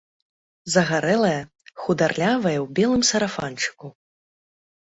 Загарэлая, хударлявая ў белым сарафанчыку.